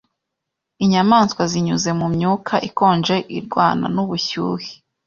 Inyamanswa zinyuze mu myuka ikonje irwana nubushyuhe